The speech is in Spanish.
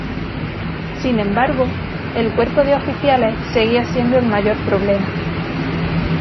Sin embargo, el cuerpo de oficiales seguía siendo el mayor problema.